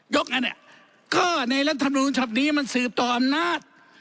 ยกอันนี้ก็ในรัฐบุรุณธรรมดีมันสืบต่ออำนาจ